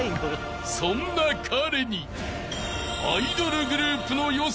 ［そんな彼に］